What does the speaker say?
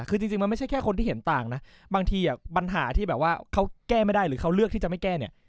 คือจริงมันไม่ใช่แค่คนที่เห็นต่างนะบางทีปัญหาที่แบบว่าเขาแก้ไม่ได้หรือเขาเลือกที่จะไม่แก้เนี่ย